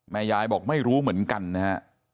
ยายบอกไม่รู้เหมือนกันนะฮะ